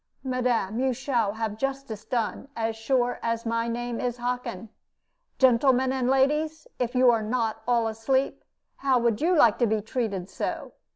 "Madam, you shall have justice done, as sure as my name is Hockin. Gentlemen and ladies, if you are not all asleep, how would you like to be treated so?